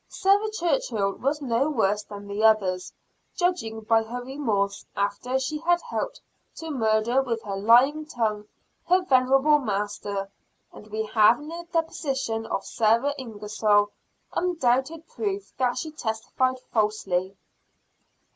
Sarah Churchill was no worse than the others, judging by her remorse after she had helped to murder with her lying tongue her venerable master and we have in the deposition of Sarah Ingersoll, undoubted proof that she testified falsely.